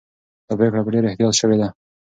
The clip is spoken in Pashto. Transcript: دا پرېکړه په ډېر احتیاط سوې ده.